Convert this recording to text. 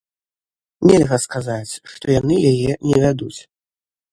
Нельга сказаць, што яны яе не вядуць.